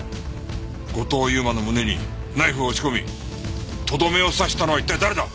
後藤佑馬の胸にナイフを押し込みとどめを刺したのは一体誰だ？